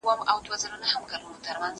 زه اجازه لرم چي مځکي ته وګورم!.